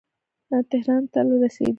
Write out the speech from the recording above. تهران ته له رسېدلو.